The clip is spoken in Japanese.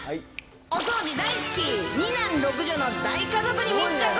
お掃除大好き、２男６女の大家族に密着！